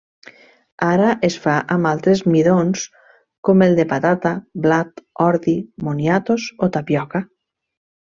Ara es fa amb altres midons com el de patata, blat, ordi, moniatos o tapioca.